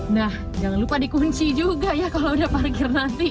nah jangan lupa dikunci juga ya kalau udah parkir nanti